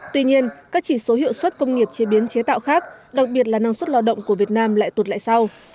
tuy nhiên các chỉ số hiệu xuất công nghiệp chế biến chế tạo khác đặc biệt là năng suất lao động của việt nam lại tụt lại sau